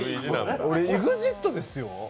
俺ＥＸＩＴですよ。